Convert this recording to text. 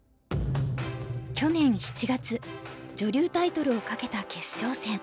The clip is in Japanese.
去年７月女流タイトルを懸けた決勝戦。